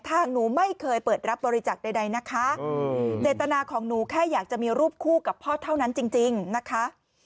หนูไม่เคยเปิดรับบริจาคใดนะคะเจตนาของหนูแค่อยากจะมีรูปคู่กับพ่อเท่านั้นจริงนะคะ